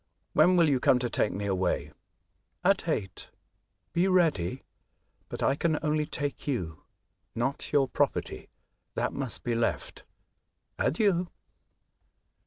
When will you come to take me away ?"" At eight. Be ready ; but I can only take you, not your property; that must be left. Adieu